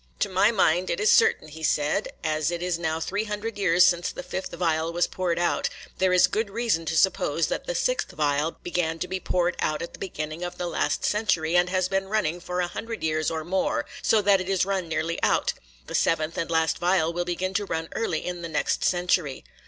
'To my mind, it is certain,' he said, 'as it is now three hundred years since the fifth vial was poured out, there is good reason to suppose that the sixth vial began to be poured out at the beginning of the last century, and has been running for a hundred years or more, so that it is run nearly out; the seventh and last vial will begin to run early in the next century.